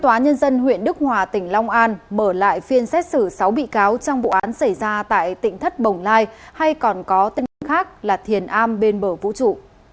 tòa nhân dân huyện đức hòa tỉnh long an mở lại phiên xét xử sáu bị cáo trong vụ án xảy ra tại tỉnh thất bồng lai hay còn có tên khác là thiền a bên bờ vũ trụ